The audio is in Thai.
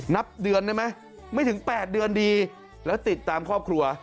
นับเดือนได้ไหมไม่ถึง๘เดือนดีแล้วติดตามครอบครัว